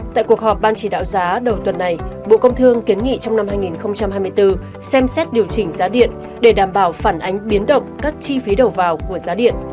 tại cuộc họp ban chỉ đạo giá đầu tuần này bộ công thương kiến nghị trong năm hai nghìn hai mươi bốn xem xét điều chỉnh giá điện để đảm bảo phản ánh biến động các chi phí đầu vào của giá điện